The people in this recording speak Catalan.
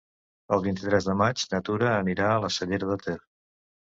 El vint-i-tres de maig na Tura anirà a la Cellera de Ter.